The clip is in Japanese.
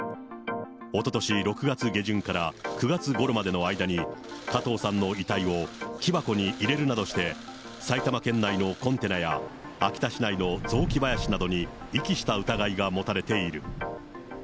おととし６月下旬から９月ごろまでの間に、加藤さんの遺体を木箱に入れるなどして、埼玉県内のコンテナや、秋田市内の雑木林などに遺棄した疑いが持たれている。